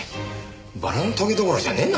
バラのトゲどころじゃねえな。